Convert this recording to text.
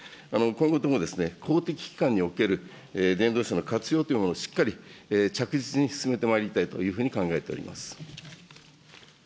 今後とも公的機関における電動車の活用というものをしっかり着実に進めてまいりたいというふうに考えております。